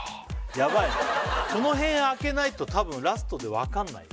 ヤバイこの辺開けないと多分ラストで分かんないよ